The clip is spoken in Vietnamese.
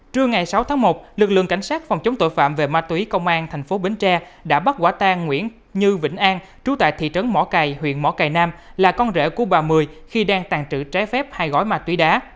trưa ngày sáu tháng một lực lượng cảnh sát phòng chống tội phạm về ma túy công an thành phố bến tre đã bắt quả tang nguyễn như vĩnh an trú tại thị trấn mỏ cài huyện mỏ cầy nam là con rễ của bà mười khi đang tàn trữ trái phép hai gói ma túy đá